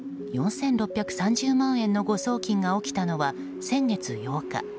４６３０万円の誤送金が起きたのは先月８日。